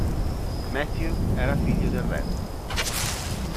Matthew era figlio del Rev.